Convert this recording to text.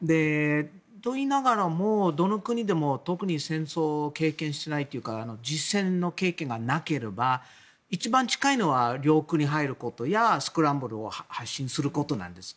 といいながらも、どの国でも特に戦争を経験していないというか実戦の経験がなければ一番近いのは領空に入ることやスクランブルを発進することなんです。